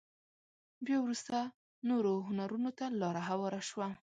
بيا وروسته نورو هنرونو ته لاره هواره شوه.